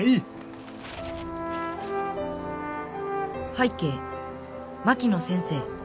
「拝啓槙野先生。